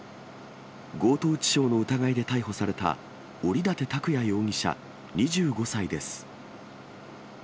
強盗致傷の疑いで逮捕された、折館卓也容疑者２５歳です。